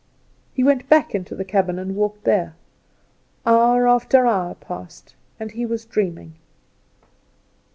He went back into the cabin and walked there. Hour after hour passed, and he was dreaming.